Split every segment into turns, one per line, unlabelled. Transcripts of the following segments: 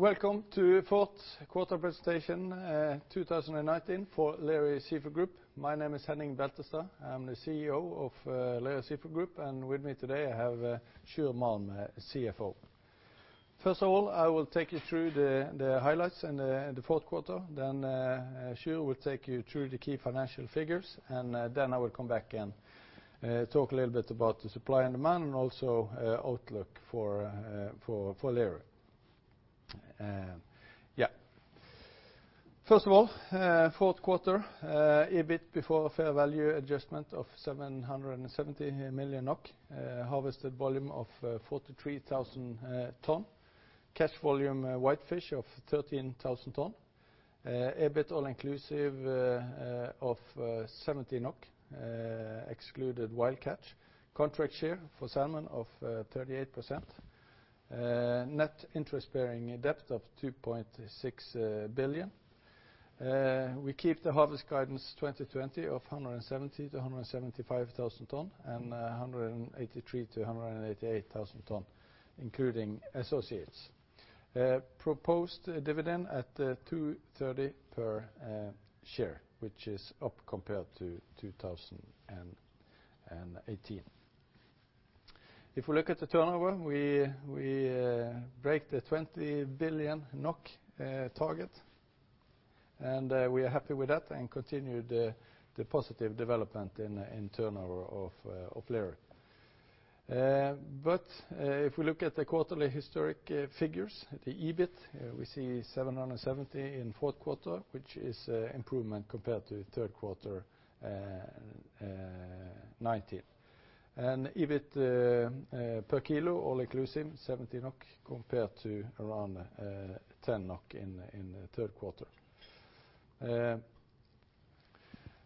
Welcome to fourth quarter presentation 2019 for Lerøy Seafood Group. My name is Henning Beltestad. I'm the CEO of Lerøy Seafood Group, and with me today, I have Sjur Malm, CFO. First of all, I will take you through the highlights in the fourth quarter. Sjur will take you through the key financial figures. I will come back and talk a little bit about the supply and demand, and also outlook for Lerøy. First of all, fourth quarter, EBIT before fair value adjustment of 770 million NOK, harvested volume of 43,000 tons, catch volume whitefish of 13,000 tons, EBIT all inclusive of 70 NOK, excluded wild catch. Contract share for salmon of 38%. Net interest-bearing debt of 2.6 billion. We keep the harvest guidance 2020 of 170,000-175,000 tons, and 183,000-188,000 tons, including associates. Proposed dividend at 2.30 per share, which is up compared to 2018. If we look at the turnover, we break the 20 billion NOK target. We are happy with that, and continue the positive development in turnover of Lerøy. If we look at the quarterly historic figures, the EBIT, we see 770 in fourth quarter, which is improvement compared to third quarter 2019. EBIT per kilo all inclusive, 70 NOK compared to around 10 NOK in the third quarter.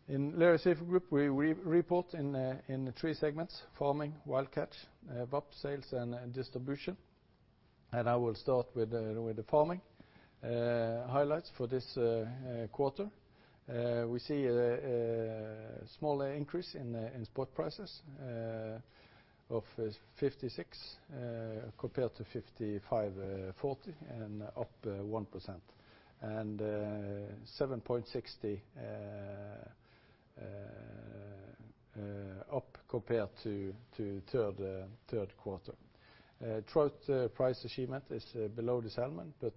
In Lerøy Seafood Group, we report in three segments, farming, wild catch, VAP Sales and Distribution. I will start with the farming. Highlights for this quarter, we see a small increase in spot prices of 56 compared to 55.40, and up 1%. 7.60 up compared to third quarter. Trout price achievement is below the salmon, but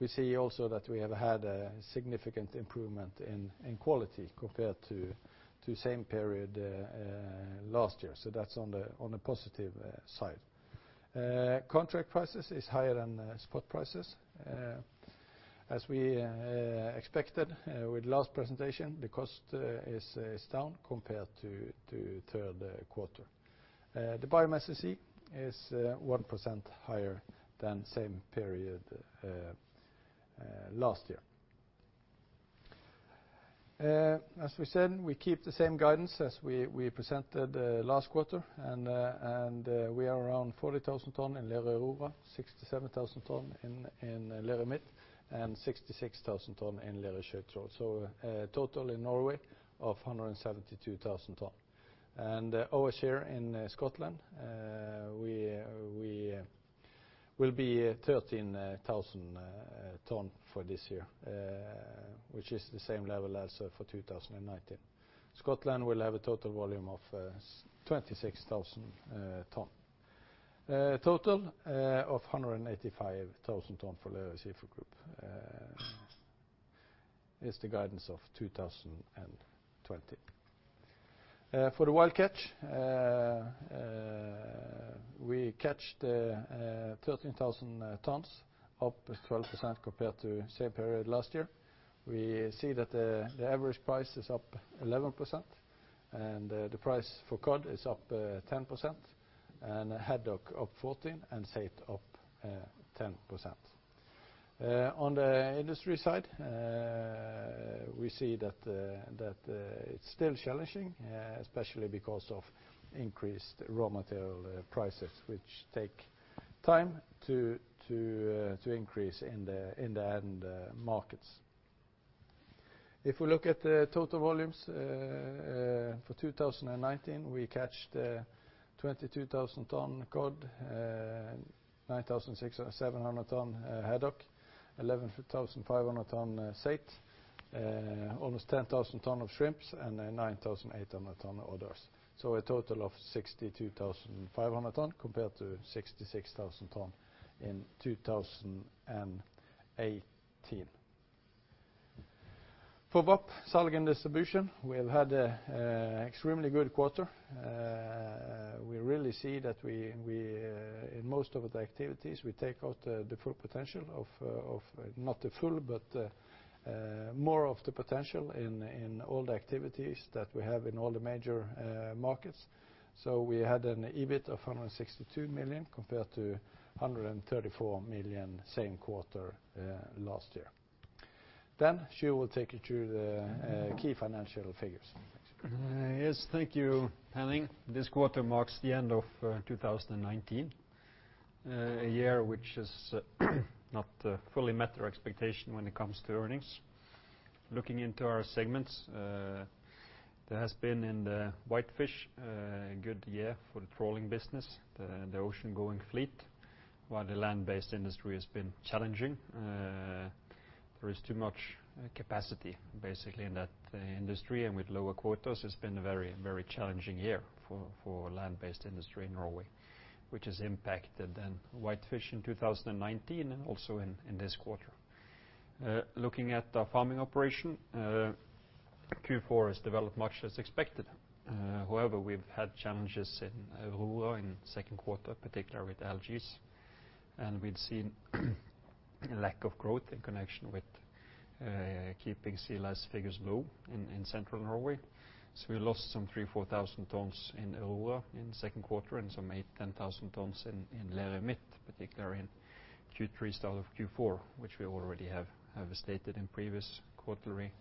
we see also that we have had a significant improvement in quality compared to same period last year. That's on the positive side. Contract prices is higher than spot prices. As we expected with last presentation, the cost is down compared to third quarter. The biomass we see is 1% higher than same period last year. As we said, we keep the same guidance as we presented the last quarter, and we are around 40,000 tons in Lerøy Aurora, 67,000 tons in Lerøy Midt, and 66,000 tons in Lerøy Sjøtroll. A total in Norway of 172,000 tons. Our share in Scotland, we will be 13,000 tons for this year, which is the same level as for 2019. Scotland will have a total volume of 26,000 tons. Total of 185,000 tons for Lerøy Seafood Group is the guidance of 2020. For the wild catch, we catch the 13,000 tons, up 12% compared to the same period last year. We see that the average price is up 11%, and the price for cod is up 10%, and haddock up 14%, and saithe up 10%. On the industry side, we see that it's still challenging, especially because of increased raw material prices, which take time to increase in the end markets. If we look at the total volumes, for 2019, we catch the 22,000 tons cod, 9,700 tons haddock, 11,500 tons saithe, almost 10,000 tons of shrimps, and 9,800 tons others. A total of 62,500 tons compared to 66,000 tons in 2018. For VAP, Sales and Distribution, we have had a extremely good quarter. We really see that in most of the activities, we take out the full potential of, not the full, but more of the potential in all the activities that we have in all the major markets. We had an EBIT of 162 million compared to 134 million same quarter last year. Sjur will take you through the key financial figures. Thanks.
Yes, thank you, Henning. This quarter marks the end of 2019, a year which has not fully met our expectation when it comes to earnings. Looking into our segments, there has been in the whitefish, a good year for the trawling business, the oceangoing fleet, while the land-based industry has been challenging. There is too much capacity, basically, in that industry, and with lower quotas, it's been a very challenging year for land-based industry in Norway, which has impacted then whitefish in 2019 and also in this quarter. Looking at the farming operation, Q4 has developed much as expected. However, we've had challenges in Aurora in the second quarter, particularly with algae, and we've seen a lack of growth in connection with keeping sea lice figures low in Central Norway. We lost some 3,000-4,000 tons in Aurora in the second quarter and some 8,000-10,000 tons in Lerøy Midt, particularly in Q3 as well as Q4, which we already have stated in previous quarterly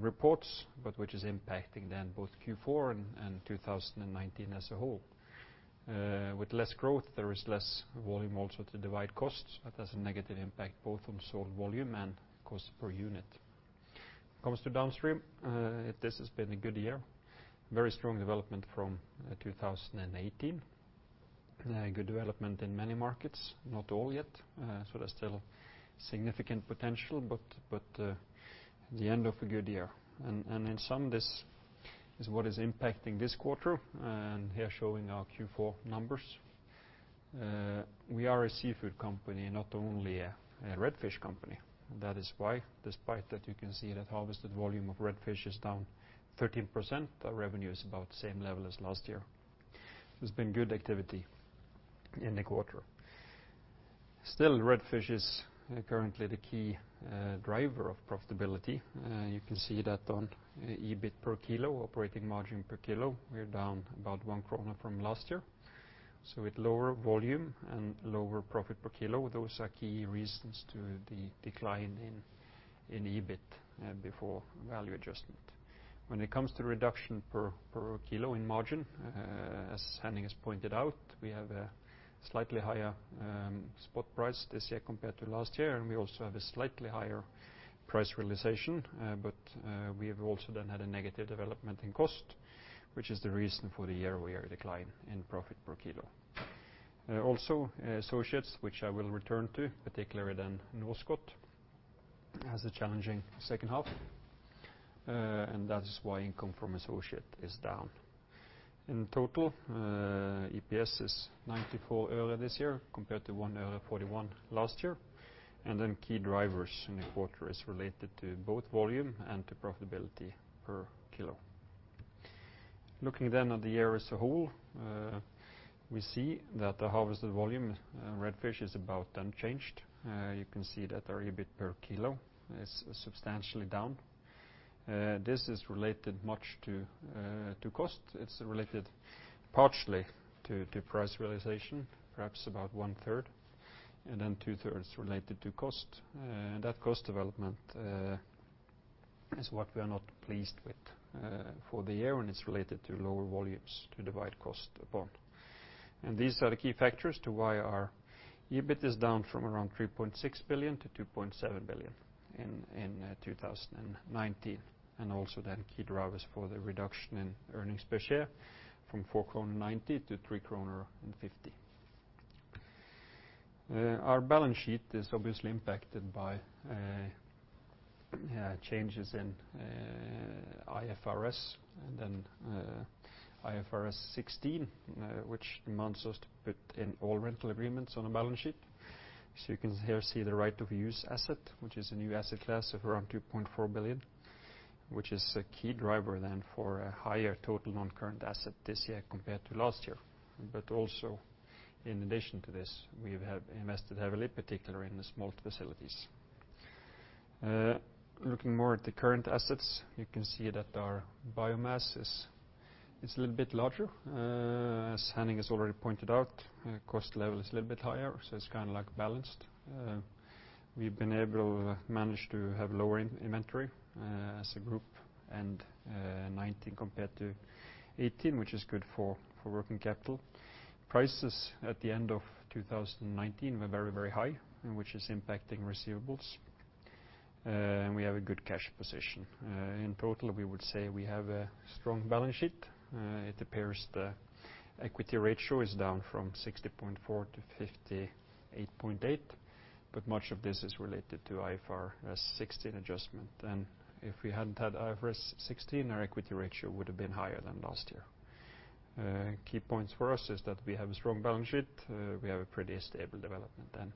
reports, but which is impacting then both Q4 and 2019 as a whole. With less growth, there is less volume also to divide costs. That has a negative impact both on sold volume and cost per unit. When it comes to downstream, this has been a good year. Very strong development from 2018. A good development in many markets, not all yet, so there's still significant potential, but the end of a good year. In sum, this is what is impacting this quarter, and here showing our Q4 numbers. We are a seafood company, not only a red fish company. That is why, despite that you can see that harvested volume of red fish is down 13%, our revenue is about the same level as last year. There's been good activity in the quarter. Still, red fish is currently the key driver of profitability. You can see that on EBIT per kilo, operating margin per kilo, we're down about 1 kroner from last year. With lower volume and lower profit per kilo, those are key reasons to the decline in EBIT before value adjustment. When it comes to reduction per kilo in margin, as Henning has pointed out, we have a slightly higher spot price this year compared to last year, and we also have a slightly higher price realization, but we've also then had a negative development in cost, which is the reason for the year-over-year decline in profit per kilo. Also, associates, which I will return to, particularly then Norskott, has a challenging second half, and that is why income from associate is down. In total, EPS is NOK 0.94 this year compared to NOK 1.41 last year. Key drivers in the quarter is related to both volume and to profitability per kilo. Looking then at the year as a whole, we see that the harvested volume red fish is about unchanged. You can see that our EBIT per kilo is substantially down. This is related much to cost. It's related partially to price realization, perhaps about 1/3, and then 2/3 related to cost. That cost development is what we are not pleased with for the year, and it's related to lower volumes to divide cost upon. These are the key factors to why our EBIT is down from around 3.6 billion-2.7 billion in 2019. Also then key drivers for the reduction in earnings per share from 4.90-3.50 kroner. Our balance sheet is obviously impacted by changes in IFRS. Then IFRS 16, which demands us to put in all rental agreements on the balance sheet. You can here see the right of use asset, which is a new asset class of around 2.4 billion, which is a key driver then for a higher total non-current asset this year compared to last year. Also, in addition to this, we have invested heavily, particularly in the smolt facilities. Looking more at the current assets, you can see that our biomass is a little bit larger. As Henning has already pointed out, cost level is a little bit higher, so it's kind of balanced. We've been able to manage to have lower inventory as a group in 2019 compared to 2018, which is good for working capital. Prices at the end of 2019 were very high, which is impacting receivables. We have a good cash position. In total, we would say we have a strong balance sheet. It appears the equity ratio is down from 60.4%-58.8%, but much of this is related to IFRS 16 adjustment. If we hadn't had IFRS 16, our equity ratio would have been higher than last year. Key points for us is that we have a strong balance sheet. We have a pretty stable development then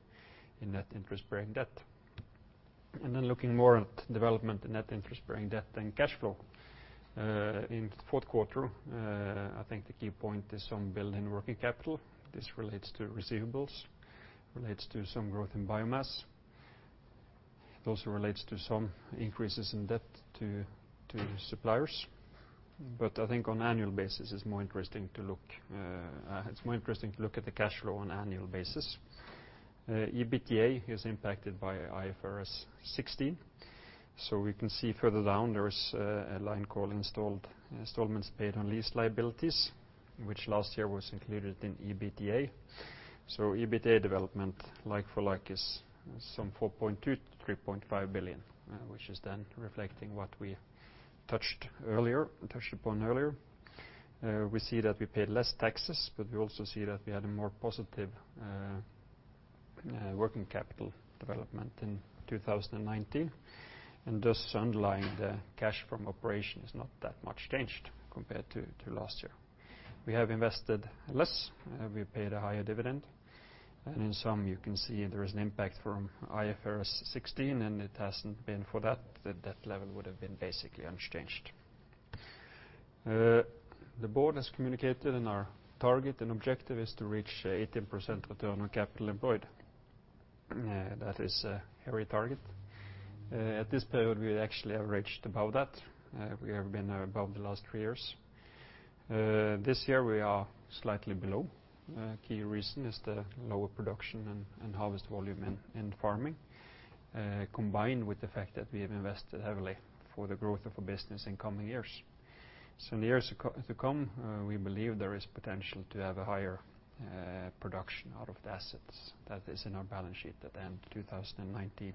in net interest-bearing debt. Looking more at the development in net interest-bearing debt and cash flow. In the fourth quarter, I think the key point is some build in working capital. This relates to receivables, relates to some growth in biomass. It also relates to some increases in debt to suppliers. I think on an annual basis, it's more interesting to look at the cash flow on an annual basis. EBITDA is impacted by IFRS 16. We can see further down, there's a line called installments paid on lease liabilities, which last year was included in EBITDA. EBITDA development like for like is some 4.2 billion-3.5 billion, which is then reflecting what we touched upon earlier. We see that we paid less taxes, but we also see that we had a more positive working capital development in 2019. Thus underlying the cash from operation is not that much changed compared to last year. We have invested less. We paid a higher dividend. In some you can see there is an impact from IFRS 16, and it hasn't been for that level would have been basically unchanged. The board has communicated and our target and objective is to reach 18% Return on Capital Employed. That is our target. At this period, we actually averaged above that. We have been above the last three years. This year we are slightly below. Key reason is the lower production and harvest volume in farming, combined with the fact that we have invested heavily for the growth of our business in coming years. In the years to come, we believe there is potential to have a higher production out of the assets that is in our balance sheet at the end of 2019.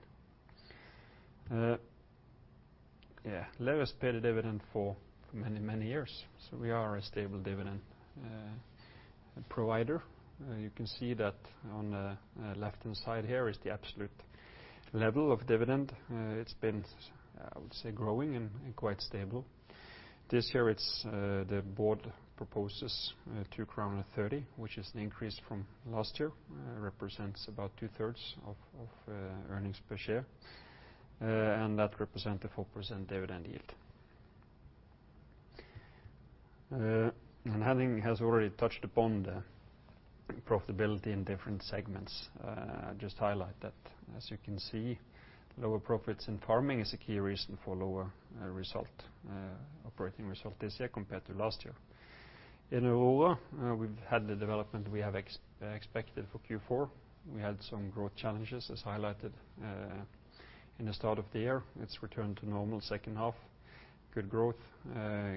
Lerøy has paid a dividend for many, many years, so we are a stable dividend provider. You can see that on the left-hand side here is the absolute level of dividend. It's been, I would say, growing and quite stable. This year, the board proposes 2.30 crown, which is an increase from last year, represents about 2/3 of earnings per share. That represent a 4% dividend yield. Henning has already touched upon the profitability in different segments. I just highlight that. As you can see, lower profits in farming is a key reason for lower operating result this year compared to last year. In Aurora, we've had the development we have expected for Q4. We had some growth challenges as highlighted in the start of the year. It's returned to normal second half. Good growth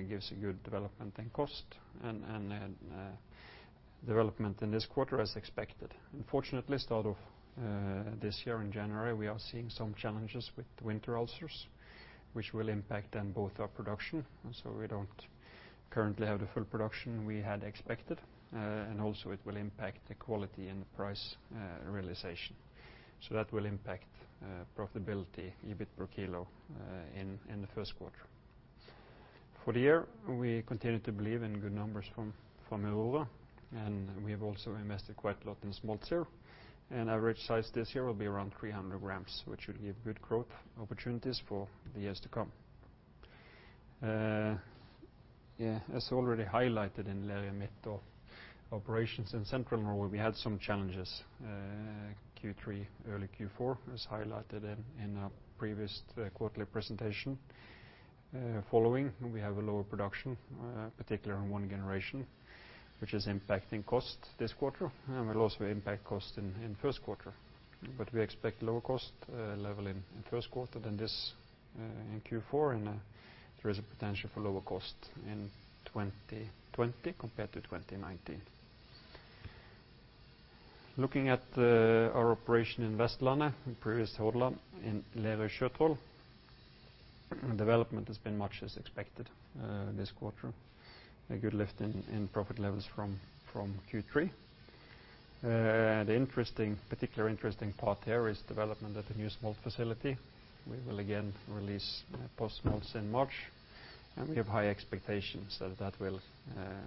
gives a good development in cost and development in this quarter as expected. Unfortunately, start of this year in January, we are seeing some challenges with the winter ulcers, which will impact then both our production, and so we don't currently have the full production we had expected. It will also impact the quality and the price realization. That will impact profitability, EBIT per kilo in the first quarter. For the year, we continue to believe in good numbers from Lerøy Aurora, and we have also invested quite a lot in smolt here. Average size this year will be around 300 g, which should give good growth opportunities for the years to come. As already highlighted in Lerøy Midt operations in Central Norway, we had some challenges Q3, early Q4, as highlighted in our previous quarterly presentation. Following, we have a lower production, particularly in one generation, which is impacting cost this quarter and will also impact cost in first quarter. We expect lower cost level in first quarter than this in Q4, and there is a potential for lower cost in 2020 compared to 2019. Looking at our operation in Vestlandet, previous Hordaland, in Lerøy Sjøtroll, development has been much as expected this quarter. A good lift in profit levels from Q3. The particular interesting part here is development of the new smolt facility. We will again release post-smolts in March, and we have high expectations that that will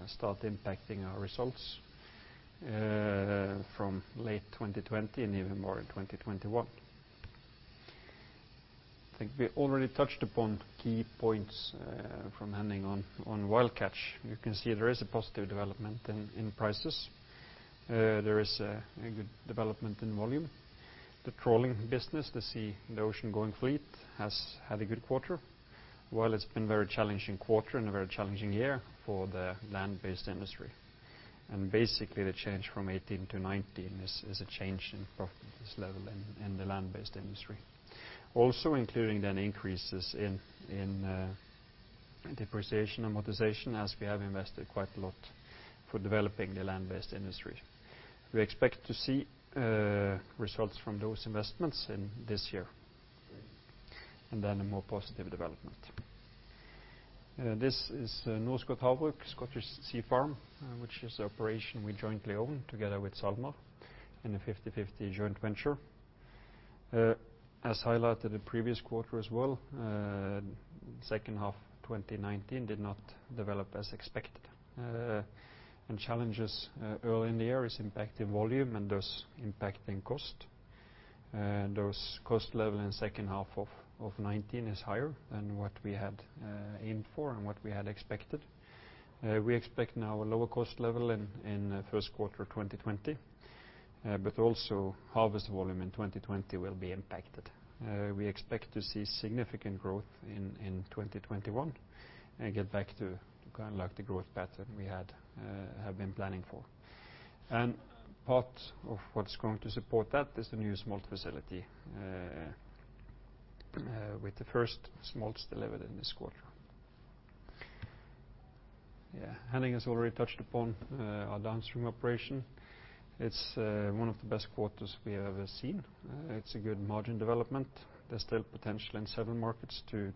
start impacting our results from late 2020 and even more in 2021. I think we already touched upon key points from Henning on wild catch. You can see there is a positive development in prices. There is a good development in volume. The trawling business, the ocean-going fleet has had a good quarter. It's been very challenging quarter and a very challenging year for the land-based industry. Basically, the change from 2018-2019 is a change in profit level in the land-based industry. Including then increases in depreciation and amortization, as we have invested quite a lot for developing the land-based industry. We expect to see results from those investments in this year, and then a more positive development. This is Norskott Havbruk Scottish Sea Farms, which is the operation we jointly own together with SalMar in a 50/50 joint venture. As highlighted the previous quarter as well, second half 2019 did not develop as expected. Challenges early in the year is impacting volume and thus impacting cost. Thus cost level in second half of 2019 is higher than what we had aimed for and what we had expected. We expect now a lower cost level in first quarter 2020, but also harvest volume in 2020 will be impacted. We expect to see significant growth in 2021 and get back to kind of like the growth pattern we have been planning for. Part of what's going to support that is the new smolt facility. With the first smolts delivered in this quarter. Henning has already touched upon our downstream operation. It's one of the best quarters we have ever seen. It's a good margin development. There's still potential in several markets to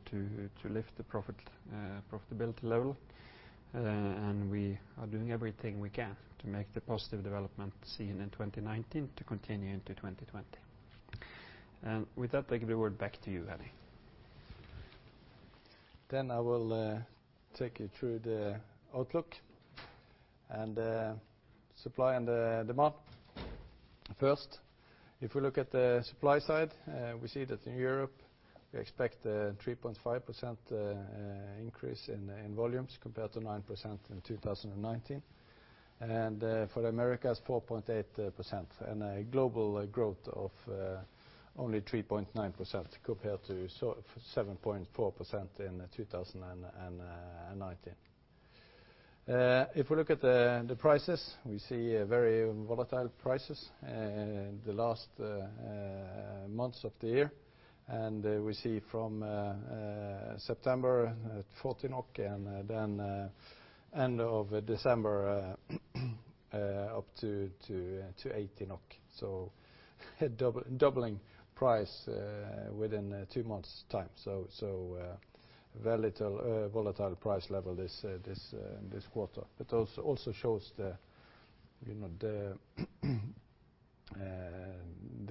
lift the profitability level. We are doing everything we can to make the positive development seen in 2019 to continue into 2020. With that, taking the word back to you, Henning.
I will take you through the outlook and supply and the demand. First, if we look at the supply side, we see that in Europe we expect a 3.5% increase in volumes compared to 9% in 2019. For the Americas, 4.8%, and a global growth of only 3.9% compared to 7.4% in 2019. If we look at the prices, we see very volatile prices the last months of the year, and we see from September at NOK 40 and then end of December up to NOK 80. Doubling price within two months time. Volatile price level this quarter. It also shows the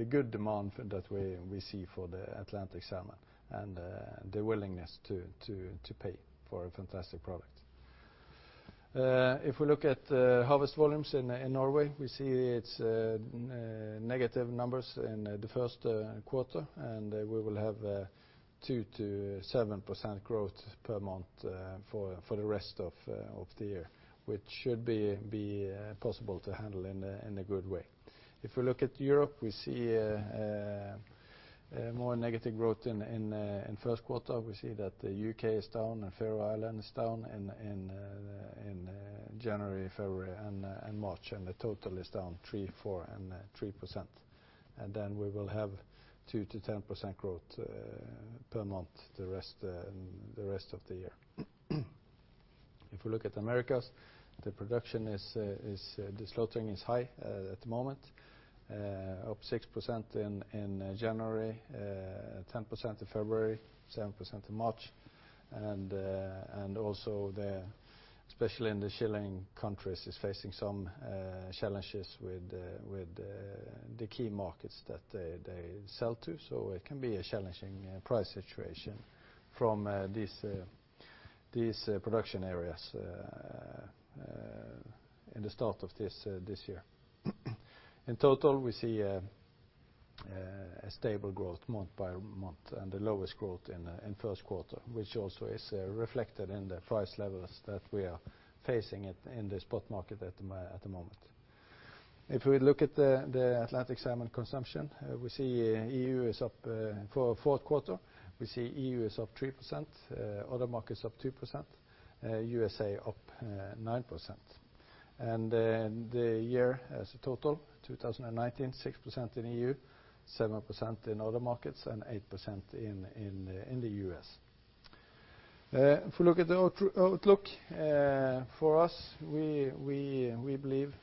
good demand that we see for the Atlantic salmon and the willingness to pay for a fantastic product. If we look at the harvest volumes in Norway, we see it's negative numbers in the first quarter, and we will have a 2%-7% growth per month for the rest of the year. Which should be possible to handle in a good way. If we look at Europe, we see more negative growth in first quarter. We see that the U.K. is down and Faroe Islands is down in January, February and March and the total is down 3%, 4% and 3%. Then we will have 2%-10% growth per month the rest of the year. If you look at Americas, the slaughtering is high at the moment, up 6% in January, 10% in February, 7% in March. Also especially in the Chilean countries is facing some challenges with the key markets that they sell to. It can be a challenging price situation from these production areas in the start of this year. In total, we see a stable growth month by month and the lowest growth in first quarter, which also is reflected in the price levels that we are facing in the spot market at the moment. If we look at the Atlantic salmon consumption, for Q4, we see EU is up 3%, other markets up 2%, USA up 9%. The year as a total, 2019, 6% in EU, 7% in other markets and 8% in the U.S. If we look at the outlook for us, we believe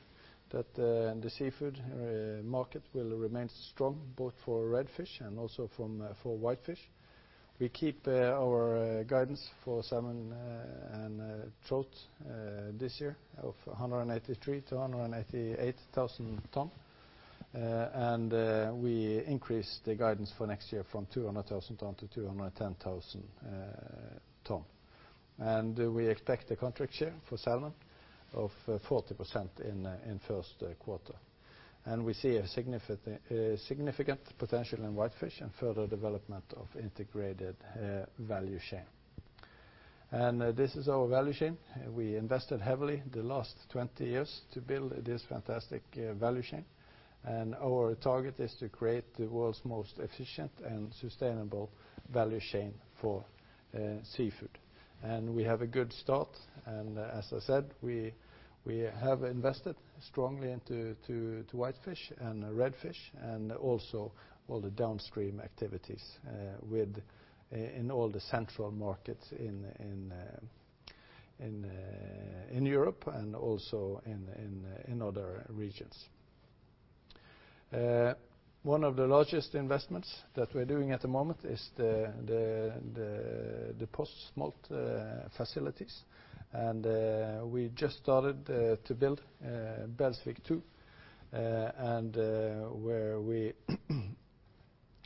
that the seafood market will remain strong both for red fish and also for white fish. We keep our guidance for salmon and trout this year of 183,000-188,000 tons and we increase the guidance for next year from 200,000-210,000 tons. We expect a contract year for salmon of 40% in Q1. We see a significant potential in white fish and further development of integrated value chain. This is our value chain. We invested heavily the last 20 years to build this fantastic value chain. Our target is to create the world's most efficient and sustainable value chain for seafood. We have a good start and as I said, we have invested strongly into whitefish and redfish and also all the downstream activities in all the central markets in Europe and also in other regions. One of the largest investments that we're doing at the moment is the post-smolt facilities. We just started to build Belsvik two,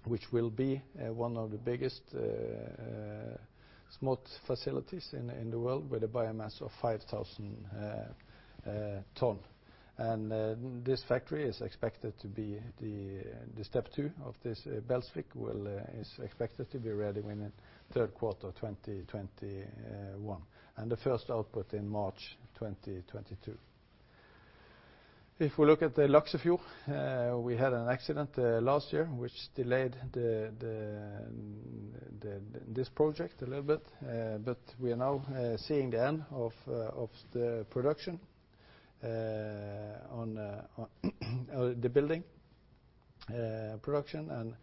which will be one of the biggest smolt facilities in the world with a biomass of 5,000 tons. This factory is expected to be the step two of this Belsvik is expected to be ready within third quarter 2021 and the first output in March 2022. If we look at the Laksefjord, we had an accident last year which delayed this project a little bit. We are now seeing the end of the production on the building production,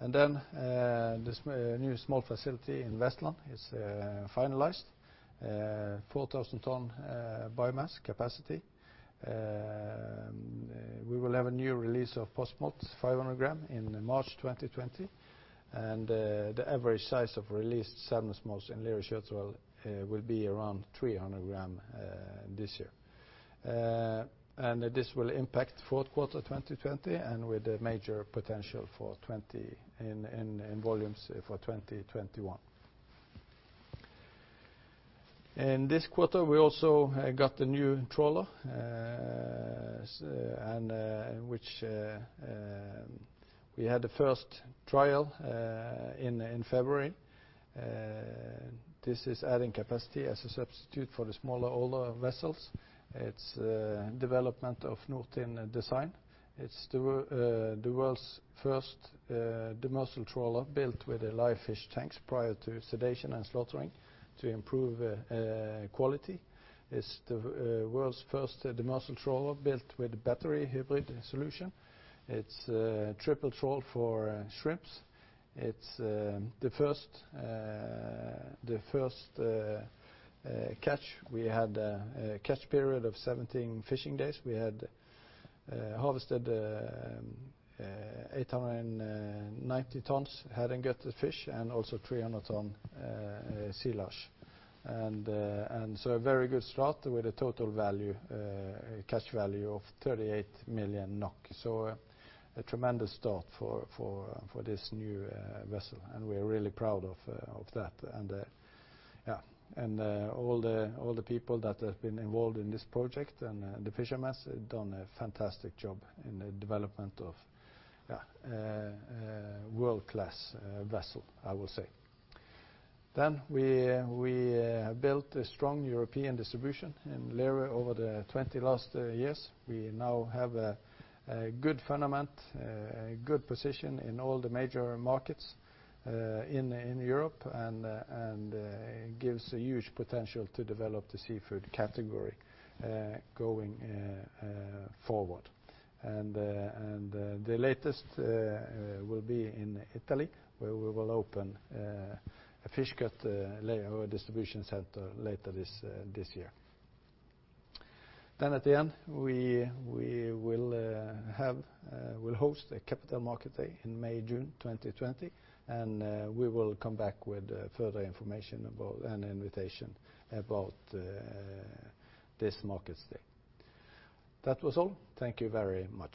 and it will be finished around fourth quarter. This will give us larger smolt, and we will see increased volume this year, but especially for 2020, we will see a large increase in volumes coming from this facility. This new smolt facility in Vestland is finalized. 4,000 tons biomass capacity. We will have a new release of post-smolt, 500 g, in March 2020. The average size of released salmon smolts in Lerøy Seafood will be around 300 g this year. This will impact fourth quarter 2020, and with a major potential in volumes for 2021. In this quarter, we also got the new trawler, which we had the first trial in February. This is adding capacity as a substitute for the smaller older vessels. It's development of Nordtind design. It's the world's first Demersal trawler built with live fish tanks prior to sedation and slaughtering, to improve quality. It's the world's first Demersal trawler built with battery hybrid solution. It's a triple trawl for shrimps. The first catch, we had a catch period of 17 fishing days. We had harvested 890 tons herring and gutted fish, and also 300 tons saithe. A very good start with a total catch value of 38 million NOK. A tremendous start for this new vessel, and we are really proud of that. All the people that have been involved in this project and the fishermen have done a fantastic job in the development of a world-class vessel, I will say. We built a strong European distribution in Lerøy over the 20 last years. We now have a good fundament, a good position in all the major markets in Europe, and gives a huge potential to develop the seafood category going forward. The latest will be in Italy, where we will open a Fish Cut distribution center later this year. At the end, we will host a capital market day in May, June 2020, and we will come back with further information and invitation about this market day. That was all. Thank you very much